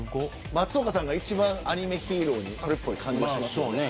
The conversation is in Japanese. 松岡さんが一番アニメヒーローに近い感じがしますね。